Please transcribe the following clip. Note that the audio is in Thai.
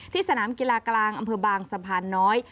สนามกีฬากลางอำเภอบางสะพานน้อย